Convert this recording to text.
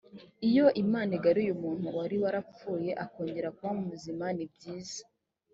iyo imana igaruye umuntu wari warapfuye akongera kuba muzima nibyiza